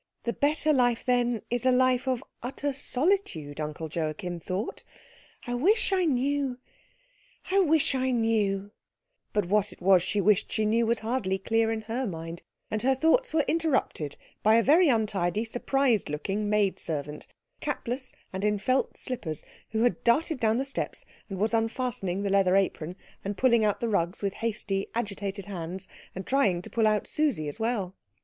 "The better life, then, is a life of utter solitude, Uncle Joachim thought? I wish I knew I wish I knew " But what it was she wished she knew was hardly clear in her mind; and her thoughts were interrupted by a very untidy, surprised looking maid servant, capless, and in felt slippers, who had darted down the steps and was unfastening the leather apron and pulling out the rugs with hasty, agitated hands, and trying to pull Susie out as well.